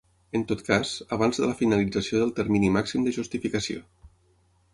En tot cas, abans de la finalització del termini màxim de justificació.